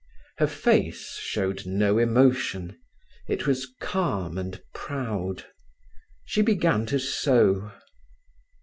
Her face showed no emotion; it was calm and proud. She began to sew.